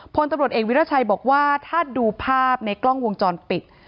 พลตำรวจเอกวิราชัยบอกว่าถ้าดูภาพในกล้องวงจรปิด